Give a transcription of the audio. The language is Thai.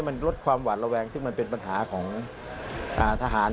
มันลดความหวาดระแวงซึ่งมันเป็นปัญหาของทหาร